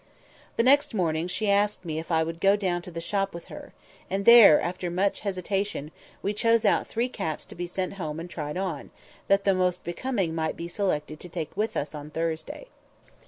The next morning she asked me if I would go down to the shop with her; and there, after much hesitation, we chose out three caps to be sent home and tried on, that the most becoming might be selected to take with us on Thursday.